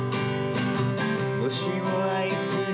「もしもあいつに」